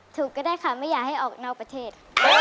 ก็ได้ค่ะไม่อยากให้ออกนอกประเทศ